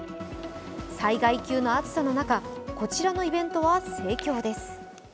災害級の暑さの中、こちらのイベントは盛況です。